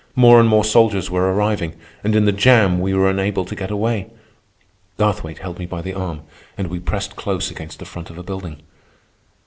More and more soldiers were arriving, and in the jam we were unable to get away. Garthwaite held me by the arm, and we pressed close against the front of a building.